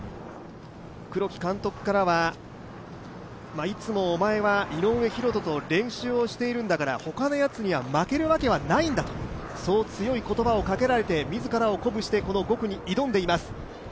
黒木監督からは、いつもおまえは井上大仁と練習をしているんだから他の奴には負けるわけはないんだと、そう強い言葉をかけられて自らを鼓舞してこの５区に挑んでいます。